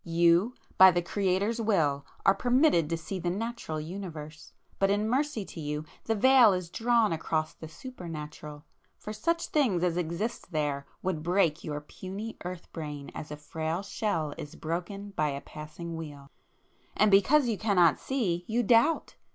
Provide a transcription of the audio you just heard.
You, by the Creator's will, are permitted to see the Natural [p 462] Universe,—but in mercy to you, the veil is drawn across the Super natural! For such things as exist there, would break your puny earth brain as a frail shell is broken by a passing wheel,—and because you cannot see, you doubt!